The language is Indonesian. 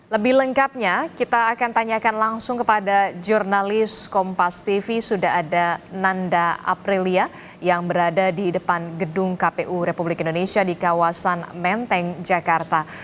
lebih lengkapnya kita akan tanyakan langsung kepada jurnalis kompas tv sudah ada nanda aprilia yang berada di depan gedung kpu republik indonesia di kawasan menteng jakarta